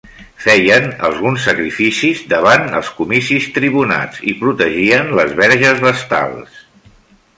Feien alguns sacrificis davant els comicis tribunats i protegien les verges vestals.